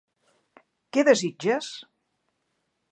Què desitges?